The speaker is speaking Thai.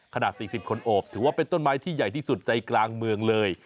ขนาด๔๐คนโอบถือว่าเป็นต้นไม้ที่ใหญ่ที่สุดใจกลางเมืองเลย